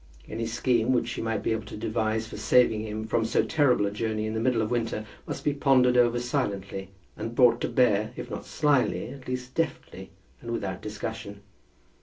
Any scheme, which she might be able to devise for saving him from so terrible a journey in the middle of winter, must be pondered over silently, and brought to bear, if not slyly, at least deftly, and without discussion.